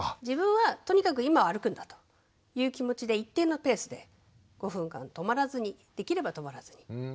自分はとにかく今は歩くんだという気持ちで一定のペースで５分間止まらずにできれば止まらずに。